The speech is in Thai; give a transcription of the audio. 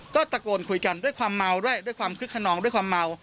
ก็ตะโกนคุยกันด้วยความเมาด้วยด้วยความคึกขนองด้วยความเมา